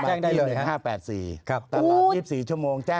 สมมตินี่น่าเกินผิดแน่